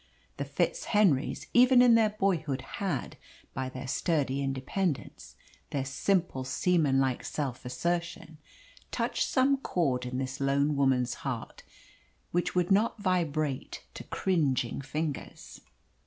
The FitzHenrys even in their boyhood had, by their sturdy independence, their simple, seamanlike self assertion, touched some chord in this lone woman's heart which would not vibrate to cringing fingers.